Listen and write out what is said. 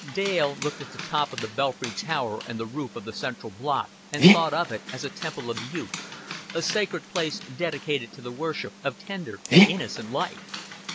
Dale looked at the top of the belfry tower and the roof of the central block, and thought of it as a temple of youth, a sacred place dedicated to the worship of tender and innocent life.